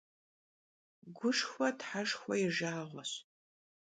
Guşşxue theşşxue yi jjağueş.